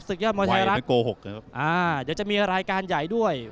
ยอดมวยไทยรัฐไม่โกหกครับอ่าเดี๋ยวจะมีรายการใหญ่ด้วย